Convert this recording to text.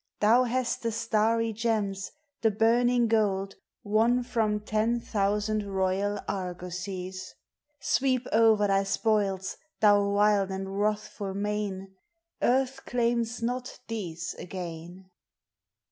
Thou nasi the starry gems, the burning gold, Won from ten thousand royal argosies! Sweep o'er thy spoils, thou wild and wrathful main ! Earth claims doI thi se again.